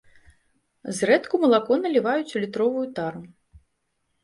Зрэдку малако наліваюць у літровую тару.